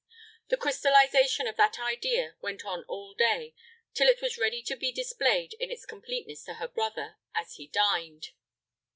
The crystallization of that idea went on all day, till it was ready to be displayed in its completeness to her brother as he dined.